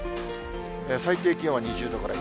最低気温は２０度ぐらい。